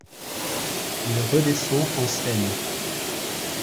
Il redescend en scène.